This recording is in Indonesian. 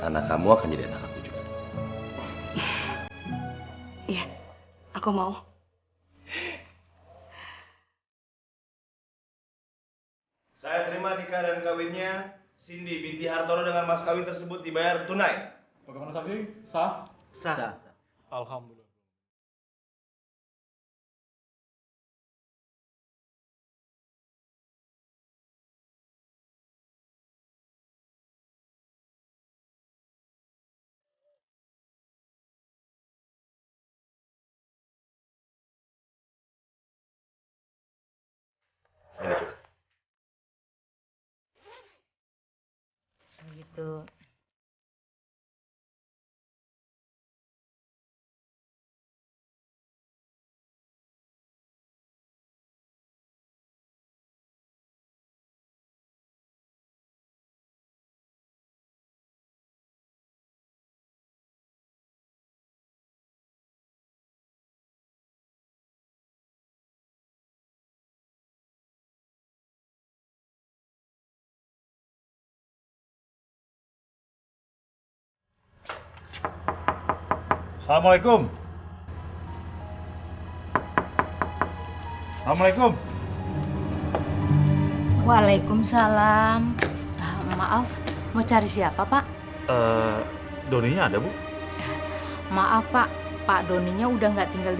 anak kamu akan jadi anak aku juga